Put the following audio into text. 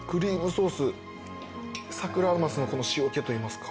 サクラマスのこの塩気といいますか。